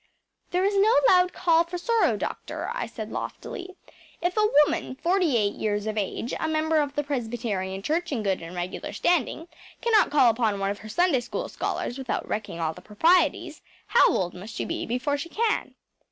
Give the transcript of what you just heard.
“There is no loud call for sorrow, doctor,‚ÄĚ I said loftily. “If a woman, forty eight years of age, a member of the Presbyterian church in good and regular standing, cannot call upon one of her Sunday School scholars without wrecking all the proprieties, how old must she be before she can?